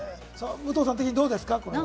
武藤さん的にどうですか？